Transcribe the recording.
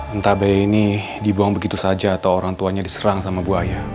entah bayi ini dibuang begitu saja atau orang tuanya diserang sama buaya